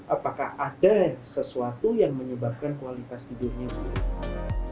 apakah ada sesuatu yang menyebabkan kualitas tidurnya buruk